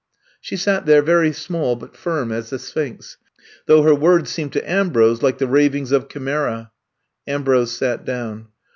She sat there, very small but firm as the Sphinx, though her words seemed to Ambrose like the ravings of chimera. Am brose sat down.